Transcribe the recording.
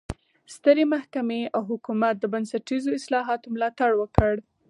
سترې محکمې او حکومت د بنسټیزو اصلاحاتو ملاتړ وکړ.